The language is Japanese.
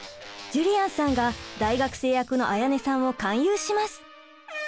ジュリアンさんが大学生役の絢音さんを勧誘します。